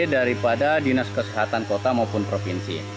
daripada dinas kesehatan kota maupun provinsi